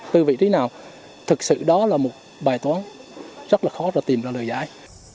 từ vị trí nào thực sự đó là một bài toán rất là khó để tìm ra lời giải